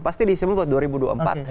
pasti diisi mumpat dua ribu dua puluh empat